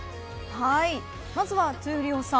まずは闘莉王さん